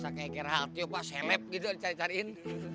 saya kira kira hal itu pas seleb gitu dicari cariin